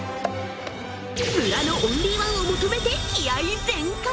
村のオンリーワンを求めて気合い全開！